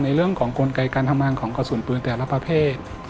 เรื่องของกลไกการทำงานของกระสุนปืนแต่ละประเภท